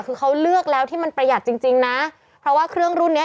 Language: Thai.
คือเขาเลือกแล้วที่มันประหยัดจริงจริงนะเพราะว่าเครื่องรุ่นเนี้ย